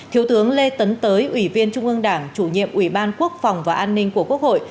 thiếu tướng lê tấn tới ủy viên trung ương đảng chủ nhiệm ủy ban quốc phòng và an ninh của quốc hội